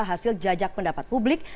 hasil jajak pendapat publik